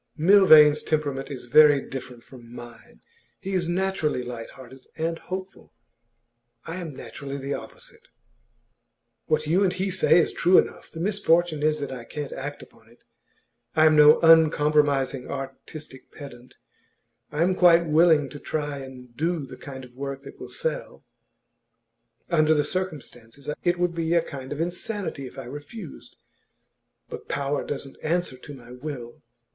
'Milvain's temperament is very different from mine. He is naturally light hearted and hopeful; I am naturally the opposite. What you and he say is true enough; the misfortune is that I can't act upon it. I am no uncompromising artistic pedant; I am quite willing to try and do the kind of work that will sell; under the circumstances it would be a kind of insanity if I refused. But power doesn't answer to the will.